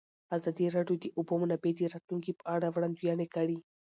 ازادي راډیو د د اوبو منابع د راتلونکې په اړه وړاندوینې کړې.